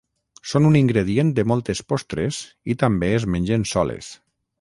Són un ingredient de moltes postres i també es mengen soles.